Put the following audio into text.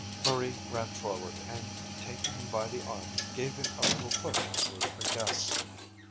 Marie ran forward, and, taking him by the arm, gave him a little push toward her guests.